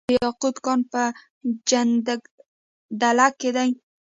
د یاقوت کان په جګدلک کې دی